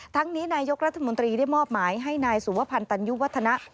นี้นายกรัฐมนตรีได้มอบหมายให้นายสุวพันธ์ตันยุวัฒนะ